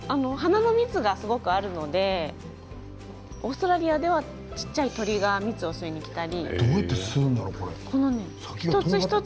花も蜜がすごくあるのでオーストラリアでは小さい鳥が蜜を吸いにきたり。